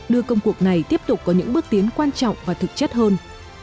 đưa công cuộc này tiếp tục có những bước tiến quan trọng và thực chất hơn